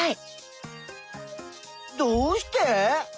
どうして？